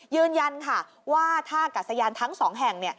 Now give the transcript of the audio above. ยืนยันค่ะว่าท่ากัดสยานทั้ง๒แห่ง